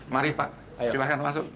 mari pak silahkan masuk